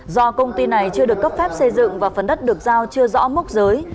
do công ty này chưa được cấp phép xây dựng và phần đất được giao chưa rõ mốc giới